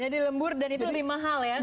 jadi lembur dan itu lebih mahal ya